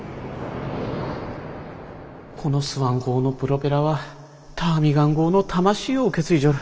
このスワン号のプロペラはターミガン号の魂を受け継いじょる。